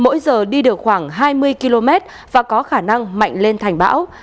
mỗi giờ đi được khoảng hai mươi km và có khả năng mạnh lên thành bão